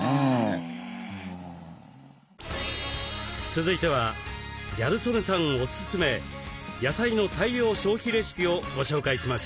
続いてはギャル曽根さんおすすめ野菜の大量消費レシピをご紹介しましょう。